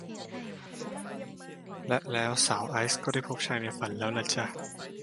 และแล้วสาวไอซ์ก็ได้พบชายในฝันแล้วล่ะจ้ะ